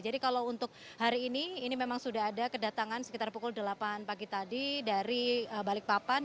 jadi kalau untuk hari ini ini memang sudah ada kedatangan sekitar pukul delapan pagi tadi dari balikpapan